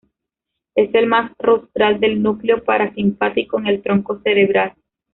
Es el más rostral del núcleo parasimpático en el tronco cerebral.